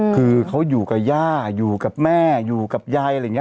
คือเขาอยู่กับย่าอยู่กับแม่อยู่กับยายอะไรอย่างนี้